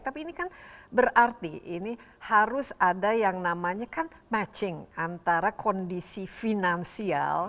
tapi ini kan berarti ini harus ada yang namanya kan matching antara kondisi finansial